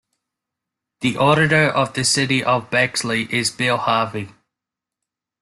The Auditor of the City of Bexley is Bill Harvey.